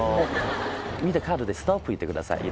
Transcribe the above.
見たカードでストップ言ってください。